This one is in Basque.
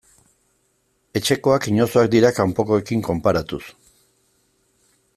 Etxekoak inozoak dira kanpokoekin konparatuz.